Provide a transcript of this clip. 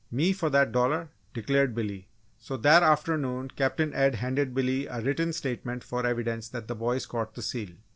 "Me for that dollar!" declared Billy. So that afternoon Captain Ed handed Billy a written statement for evidence that the boy caught the seal.